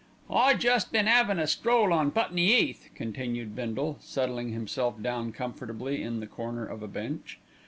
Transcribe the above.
"I jest been 'avin' a stroll on Putney 'Eath," continued Bindle, settling himself down comfortably in the corner of a bench.